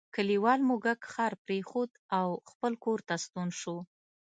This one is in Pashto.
کلیوال موږک ښار پریښود او خپل کور ته ستون شو.